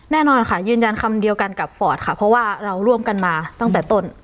แน่นอนค่ะยืนยันคำเดียวกันกับฟอร์ตค่ะเพราะว่าเราร่วมกันมาตั้งแต่ต้น